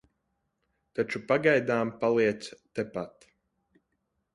Taču pagaidām paliec tepat.